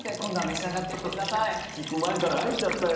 聞く前からあえちゃったよ。